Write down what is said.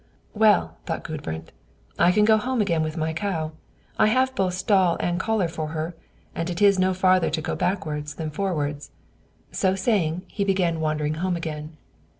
"Well!" thought Gudbrand, "I can go home again with my cow: I have both stall and collar for her, and it is no farther to go backwards than forwards." So saying, he began wandering home again.